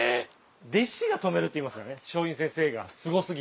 弟子が止めるっていいますからね松陰先生がすご過ぎて。